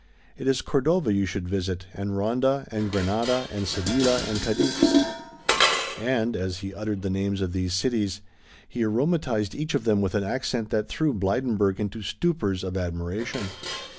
It is Cordova you should visit and Ronda and Granada and Sevilla and Cadix." And, as he uttered the names of these cities, he aromatized each of them with an accent that threw Blydenburg into stupors of admiration.